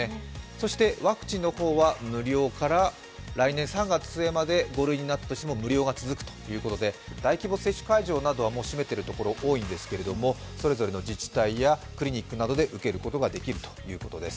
そしてワクチンの方は無料から来年３月末まで５類になったとしても無料が続くということで大規模会場などはもう閉めているところが多いんですが、それぞれの自治体やクリニックなどで受けることができるということです。